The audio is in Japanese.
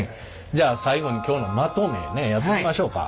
じゃあ最後に今日のまとめねやってみましょうか。